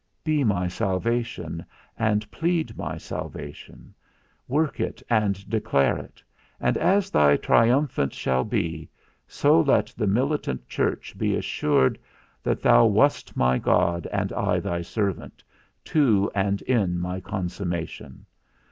Be my salvation, and plead my salvation; work it and declare it; and as thy triumphant shall be, so let the militant church be assured that thou wast my God, and I thy servant, to and in my consummation.